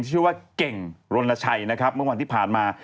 ชื่อว่าเก่งรณชัยนะครับเมื่อวันที่ผ่านมา